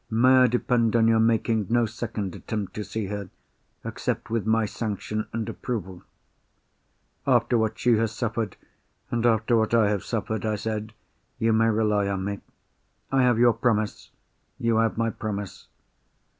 May I depend on your making no second attempt to see her—except with my sanction and approval?" "After what she has suffered, and after what I have suffered," I said, "you may rely on me." "I have your promise?" "You have my promise."